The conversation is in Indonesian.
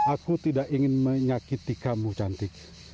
aku tidak ingin menyakiti kamu cantik